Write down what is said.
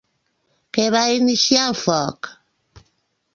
Què va iniciar el foc?